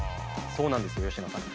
そうなんですよ佳乃さん。